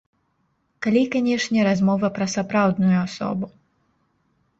Калі, канешне, размова пра сапраўдную асобу.